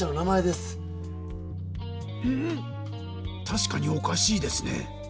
たしかにおかしいですね。